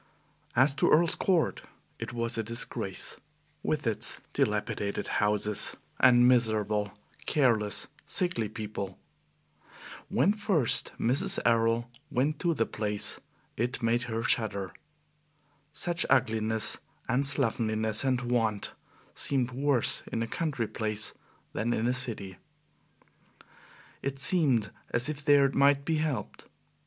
As to Earl's Court, it was a disgrace, with its dilapidated houses and miserable, careless, sickly people. When first Mrs. Errol went to the place, it made her shudder. Such ugliness and slovenliness and want seemed worse in a country place than in a city. It seemed as if there it might be helped.